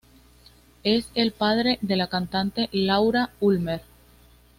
Es el padre de la cantante, Laura Ulmer.